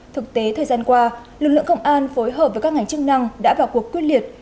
thực tế thời gian qua lực lượng công an phối hợp với các ngành chức năng đã vào cuộc quyết liệt